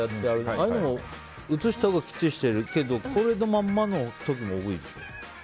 ああいうのも移したほうがきっちりしているけどトレーのままも多いでしょ。